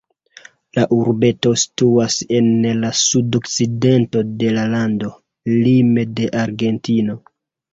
La urbeto situas en la sudokcidento de la lando, lime de Argentino.